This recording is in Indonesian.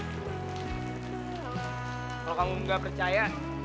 kalau kamu gak percaya